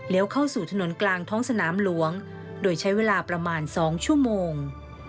เข้าสู่ถนนกลางท้องสนามหลวงโดยใช้เวลาประมาณ๒ชั่วโมง